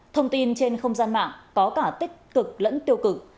thông tin trên không gian mạng có cả tích cực lẫn tiêu cực